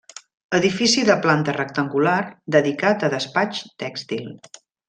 Edifici de planta rectangular dedicat a despatx tèxtil.